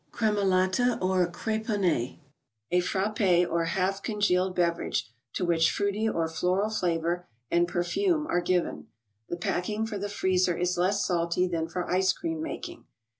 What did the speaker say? Cremolata, or Crcpomtet. ^%<° r half congeal¬ ed beverage, to which fruity or floral flavor, and perfume are given. The packing for the freezer is less salty than for ice cream making.